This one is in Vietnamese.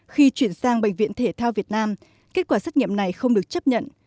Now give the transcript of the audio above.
khi chuyển sang bệnh viện thể thao việt nam kết quả xét nghiệm này không được chấp nhận